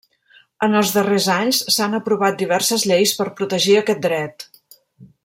En els darrers anys s'han aprovat diverses lleis per protegir aquest dret.